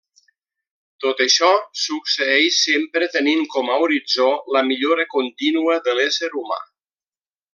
Tot això succeeix sempre tenint com a horitzó la millora contínua de l'ésser humà.